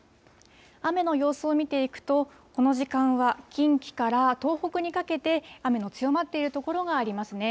雨の様子を見ていくと、この時間は近畿から東北にかけて、雨の強まっている所がありますね。